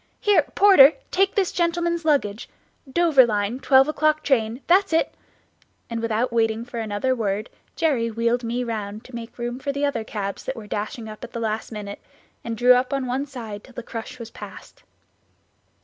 Here, porter! take this gentleman's luggage Dover line twelve o'clock train that's it," and without waiting for another word Jerry wheeled me round to make room for other cabs that were dashing up at the last minute, and drew up on one side till the crush was past.